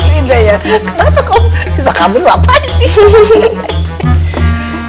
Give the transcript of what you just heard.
bisa kabur lu apaan sih